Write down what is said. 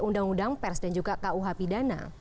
undang undang pers dan juga kuh pidana